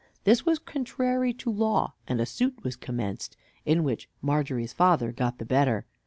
This was contrary to law, and a suit was commenced, in which Margery's father got the better.